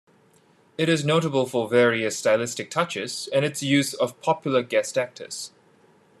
It is notable for various stylistic touches, and its use of popular guest actors.